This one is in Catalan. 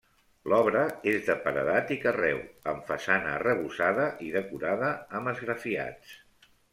L'obra és de paredat i carreu, amb façana arrebossada i decorada amb esgrafiats.